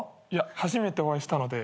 初めてお会いしたので。